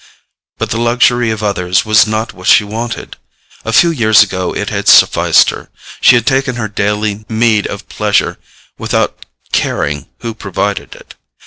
But the luxury of others was not what she wanted. A few years ago it had sufficed her: she had taken her daily meed of pleasure without caring who provided it.